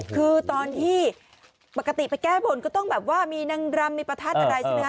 คือตอนที่ปกติไปแก้บนก็ต้องแบบว่ามีนางรำมีประทัดอะไรใช่ไหมค